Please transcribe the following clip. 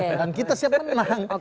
oke dan kita siap menang